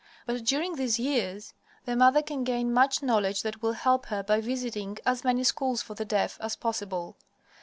But during these years the mother can gain much knowledge that will help her by visiting as many schools for the deaf as possible.